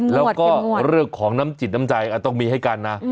แล้วก็เรื่องของน้ำจิตน้ำใจต้องมีให้กันนะ